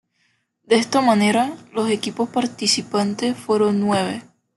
De esta manera, los equipos participantes fueron nueve.